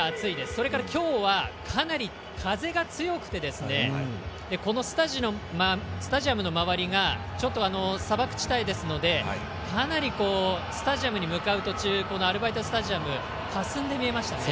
それから今日はかなり風が強くてこのスタジアムの周りがちょっと砂漠地帯ですのでかなりスタジアムに向かう途中アルバイトスタジアムがかすんで見えましたね。